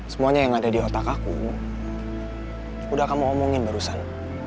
semuanya yang ada di otak aku udah kamu omongin barusan